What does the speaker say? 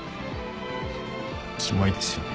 キモいですよね。